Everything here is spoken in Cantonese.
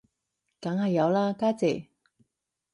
梗有啦家姐